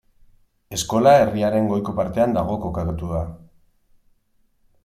Eskola herriaren goiko partean dago kokatuta.